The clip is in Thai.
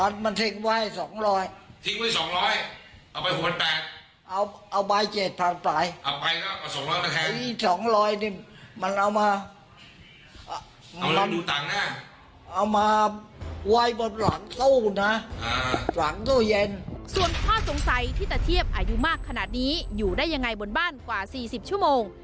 ส่วนข้อสงสัยที่ตะเทียบอายุมากขนาดนี้อยู่ได้ยังไงบนบ้านกว่า๔๐ชั่วโมง